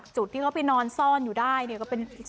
กลับด้านหลักหลักหลัก